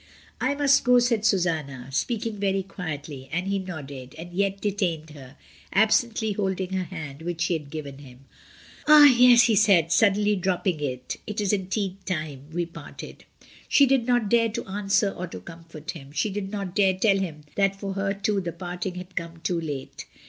"I must go," said Susanna, speaking very quietly; and he nodded, and yet detained her, absently hold ing her hand, which she had given him. "Ah, yes," he said, suddenly dropping it, "it is indeed time we parted." She did not dare to answer or to comfort him; she did not dare tell him that for her too the part ing had come too late.